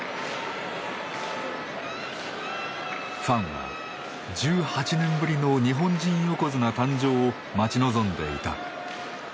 ファンは１８年ぶりの「日本人横綱」誕生を待ち望んでいた。